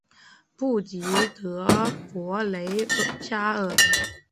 布迪德博雷加尔。